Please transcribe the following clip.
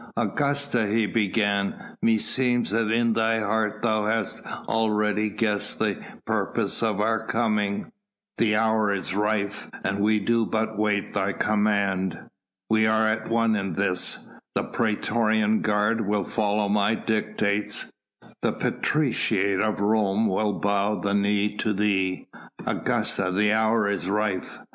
"Augusta," he began, "meseems that in thy heart thou hast already guessed the purpose of our coming. The hour is rife and we do but wait thy command. We are at one in this: the praetorian guard will follow my dictates, the patriciate of Rome will bow the knee to thee. Augusta, the hour is rife!